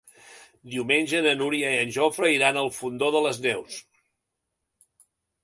Diumenge na Núria i en Jofre iran al Fondó de les Neus.